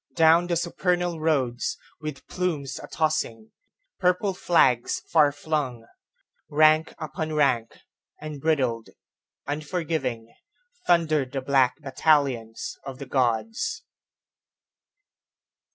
Down the supernal roads, With plumes a tossing, purple flags far flung, Rank upon rank, unbridled, unforgiving, Thundered the black battalions of the Gods.